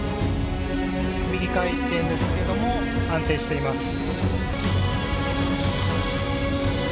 右回転ですけれども安定しています。